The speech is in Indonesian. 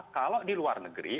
kalau di luar negeri